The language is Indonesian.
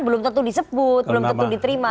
belum tentu disebut belum tentu diterima